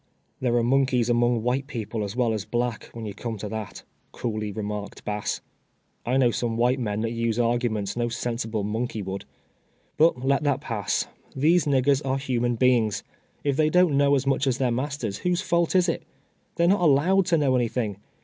" There are monkeys among white people as well as black, when you come to that," coolly remarked Bass. " I know some white meii that use arguments no sensible monkey would. But let that pass. These niggers are human beings. If they don't know as much as their masters, w hose fault is it ? They are not allowed to know anything.